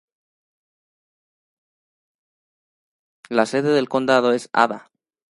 La sede del condado es Ada.